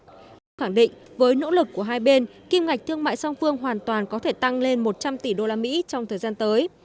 ông khẳng định với nỗ lực của hai bên kim ngạch thương mại song phương hoàn toàn có thể tăng lên một trăm linh tỷ usd trong thời gian tới